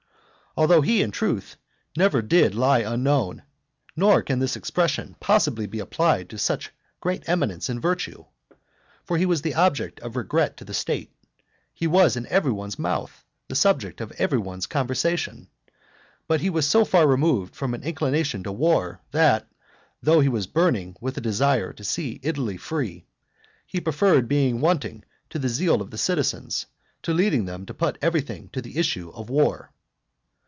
Although he, in truth, never did lie unknown, nor can this expression possibly be applied to such great eminence in virtue. For he was the object of regret to the state; he was in every one's mouth, the subject of every one's conversation. But he was so far removed from an inclination to war, that, though he was burning with a desire to see Italy free, he preferred being wanting to the zeal of the citizens, to leading them to put everything to the issue of war.